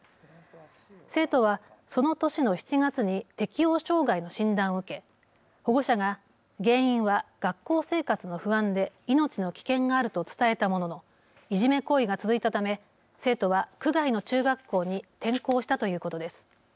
生徒はその年の７月に適応障害の診断を受け、保護者が原因は学校生活の不安で命の危険があると伝えたもののいじめ行為が続いたため生徒は区外の中学校に転校したということです。